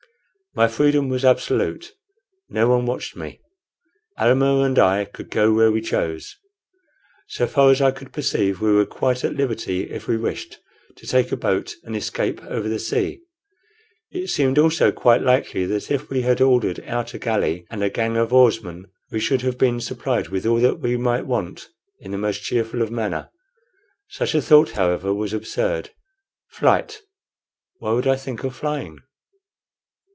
My freedom was absolute. No one watched me. Almah and I could go where we chose. So far as I could perceive, we were quite at liberty, if we wished, to take a boat and escape over the sea. It seemed also quite likely that if we had ordered out a galley and a gang of oarsmen, we should have been supplied with all that we might want in the most cheerful manner. Such a thought, however, was absurd. Flight! Why should I think of flying?